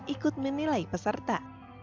ikut menilai peserta